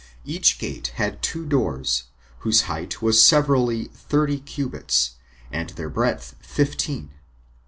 Each gate had two doors, whose height was severally thirty cubits, and their breadth fifteen.